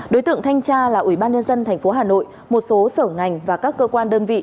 đối tượng thanh tra là ủy ban nhân dân tp hà nội một số sở ngành và các cơ quan đơn vị